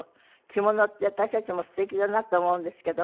着物って私たちもすてきだなと思うんですけど。